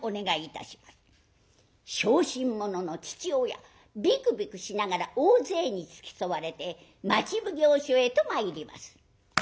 小心者の父親びくびくしながら大勢に付き添われて町奉行所へと参ります。